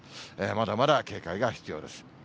まだまだ警戒が必要です。